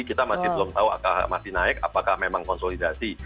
kita masih belum tahu masih naik apakah memang konsolidasi